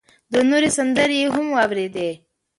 دوه نورې سندرې يې هم واورېدې.